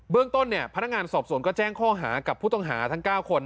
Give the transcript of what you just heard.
เรื่องต้นพนักงานสอบสวนก็แจ้งข้อหากับผู้ต้องหาทั้ง๙คน